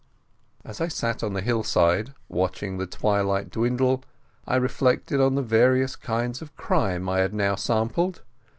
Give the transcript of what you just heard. As I sat on the hillside, watching the tail light dwindle, I reflected on the various kinds of crime I had now sampled.